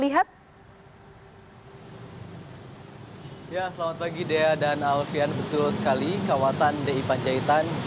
hai ya selamat pagi dea dan alfian betul sekali kawasan di panjaitan di pintu tol kebonanas yang